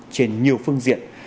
trên nhiều phương diện